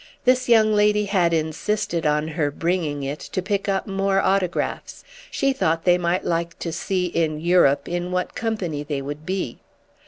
This young lady had insisted on her bringing it, to pick up more autographs: she thought they might like to see, in Europe, in what company they would be.